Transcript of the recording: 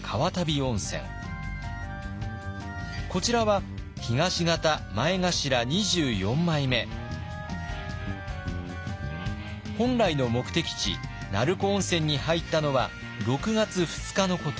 こちらは本来の目的地成子温泉に入ったのは６月２日のこと。